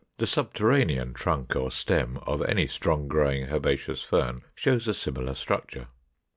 The subterranean trunk or stem of any strong growing herbaceous Fern shows a similar structure.